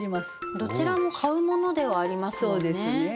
どちらも買うものではありますもんね。